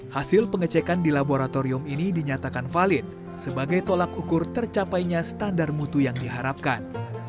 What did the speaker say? hasil pengecekan di laboratorium ini dinyatakan valid sebagai tolak ukur tercapainya standar mutu yang diharapkan